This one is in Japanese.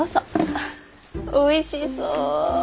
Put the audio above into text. あおいしそう！